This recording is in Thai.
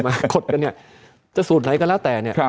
กดกันเนี่ยจะสูตรไหนก็แล้วแต่เนี่ย